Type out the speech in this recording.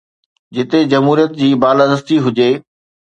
جتي جمهوريت جي بالادستي هجي.